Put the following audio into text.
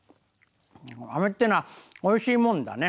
あめっていうのはおいしいもんだね。